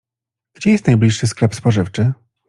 Gdzie jest najbliższy sklep spożywczy?